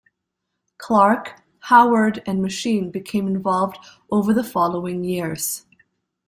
Clark, Howard and Machine became involved over the following years.